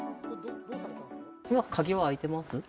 今、鍵は開いてます？